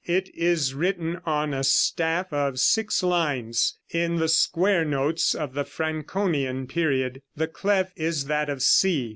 It is written on a staff of six lines, in the square notes of the Franconian period. The clef is that of C.